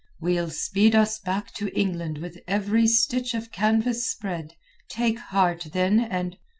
"We'll speed us back to England with every stitch of canvas spread. Take heart then, and...."